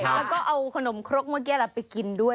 แล้วก็เอาขนมครกเมื่อกี้ไปกินด้วย